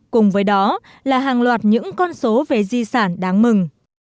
cùng với đó là hàng loạt những con số về di sản đáng mừng